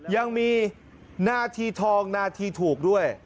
ยังมีหน้าที่ทองนาทีถูกด้วย